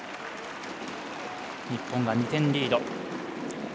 日本が２点リード。